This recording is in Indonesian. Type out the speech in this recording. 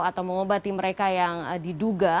atau mengobati mereka yang diduga